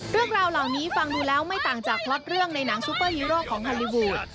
เรื่องราวเหล่านี้ฟังดูแล้วไม่ต่างจากพล็อตเรื่องในหนังซูเปอร์ฮีโร่ของฮอลลี่วูด